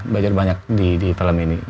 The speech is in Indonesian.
belajar banyak di talem ini